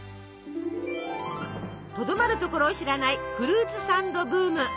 とどまるところを知らないフルーツサンドブーム！